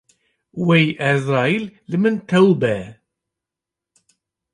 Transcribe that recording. Wey Ezraîl li min tewbe ye